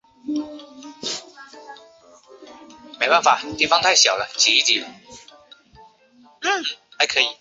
狭叶金疮小草是唇形科筋骨草属金疮小草的变种。